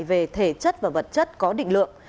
về thể chất và vật chất có định lượng